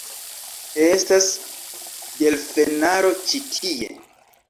Estas... delfenaro ĉi tie.